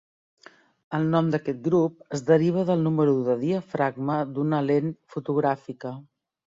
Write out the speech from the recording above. El nom d'aquest grup es deriva del número de diafragma d'una lent fotogràfica.